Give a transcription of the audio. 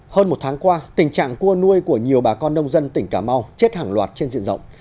hơn một tháng qua tình trạng cua nuôi của nhiều bà con nông dân tỉnh cà mau chết hàng loạt trên diện rộng